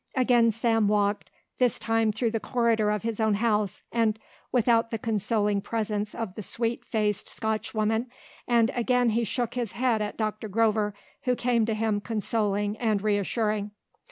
Again Sam walked, this time through the corridor of his own house and without the consoling presence of the sweet faced Scotch woman, and again he shook his head at Doctor Grover who came to him consoling and reassuring.